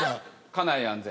家内安全。